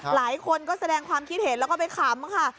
หลายคนก็แสดงความคิดเห็นแล้วก็ไปขำค่ะ